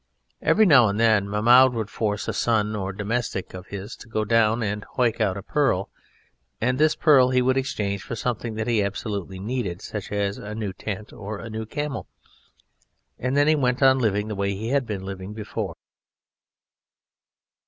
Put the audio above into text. Every now and then Mahmoud would force a son or domestic of his to go down and hoick out a pearl, and this pearl he would exchange for something that he absolutely needed, such as a new tent or a new camel, and then he went on living the way he had been living before.